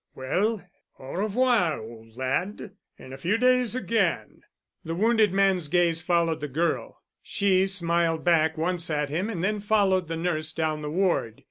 "Well, au revoir, old lad. In a few days again——" The wounded man's gaze followed the girl. She smiled back once at him and then followed the nurse down the ward.